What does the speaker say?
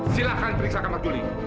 silahkan periksa kamar juli